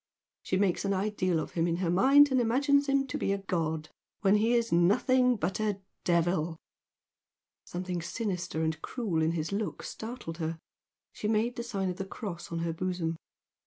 She makes an ideal of him in her mind and imagines him to be a god, when he is nothing but a devil!" Something sinister and cruel in his look startled her, she made the sign of the cross on her bosom.